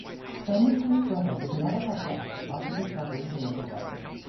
Clementine's brother would never have left after discovering the nickel vein.